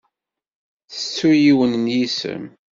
Tettu yiwen n yisem.